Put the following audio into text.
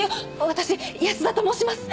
私安田と申します。